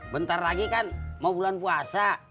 bentar lagi kan mau bulan puasa